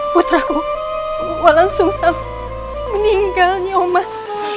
putraku walang sungsang meninggal nyomas